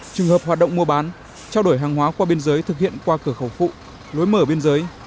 trường hợp hoạt động mua bán trao đổi hàng hóa qua biên giới thực hiện qua cửa khẩu phụ lối mở biên giới